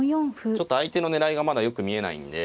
ちょっと相手の狙いがまだよく見えないんで。